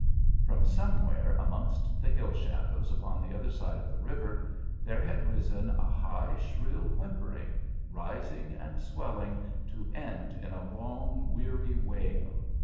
From somewhere amongst the hill shadows upon the other side of the river there had risen a high shrill whimpering, rising and swelling, to end in a long weary wail.